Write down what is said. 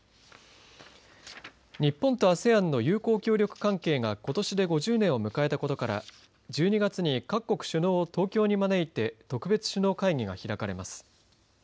日本とＡＳＥＡＮの友好協力関係がことしで５０年を迎えたことから１２月に各国首脳を東京に招いて特別首脳会議が開かれます。